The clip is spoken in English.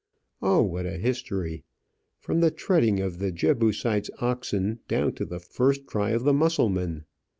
Oh, what a history! from the treading of the Jebusite's oxen down to the first cry of the Mussulman!